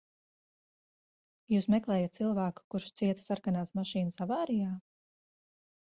Jūs meklējat cilvēku, kurš cieta sarkanās mašīnas avārijā?